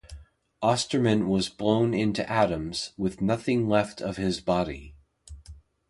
Osterman was blown into atoms, with nothing left of his body.